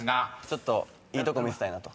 ちょっといいとこ見せたいなと。